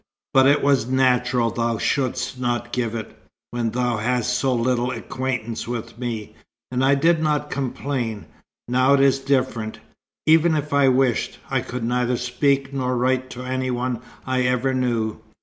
But it was natural thou shouldst not give it, when thou hadst so little acquaintance with me, and I did not complain. Now it is different. Even if I wished, I could neither speak nor write to any one I ever knew.